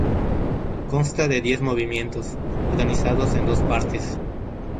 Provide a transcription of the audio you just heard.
Consta de diez movimientos, organizados en dos partes.